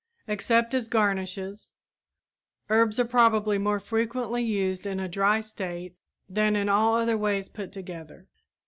Except as garnishes, herbs are probably more frequently used in a dry state than in all other ways put together.